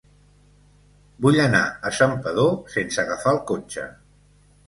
Vull anar a Santpedor sense agafar el cotxe.